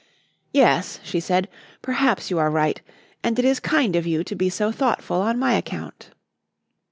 "Yes," she said; "perhaps you are right, and it is kind of you to be so thoughtful on my account."